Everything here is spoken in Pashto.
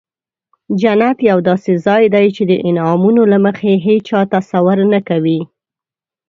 جنت یو داسې ځای دی چې د انعامونو له مخې هیچا تصور نه کوي.